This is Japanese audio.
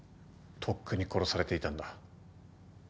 とっくに殺されていたんだ。